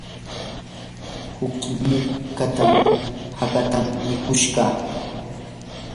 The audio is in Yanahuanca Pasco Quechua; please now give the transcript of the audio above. uqi muka hakatam mikushqa.